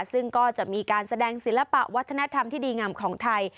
ซึ่งก็จะมีการแสดงศิลปะวัฒนธรรมที่ดีงามของไทย